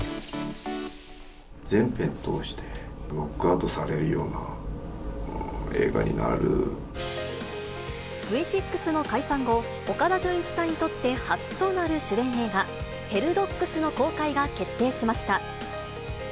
全編通してノックアウトされＶ６の解散後、岡田准一さんにとって初となる主演映画、ヘルドッグスの公開が決定しました。